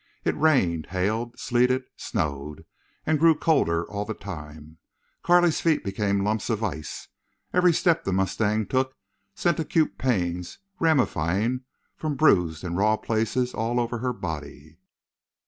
It rained, hailed, sleeted, snowed, and grew colder all the time. Carley's feet became lumps of ice. Every step the mustang took sent acute pains ramifying from bruised and raw places all over her body.